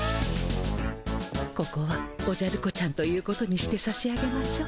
ここはおじゃる子ちゃんということにしてさしあげましょう。